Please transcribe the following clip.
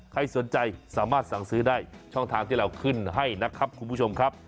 ใครสนใจสามารถสั่งซื้อได้ช่องทางที่เราขึ้นให้นะครับคุณผู้ชมครับ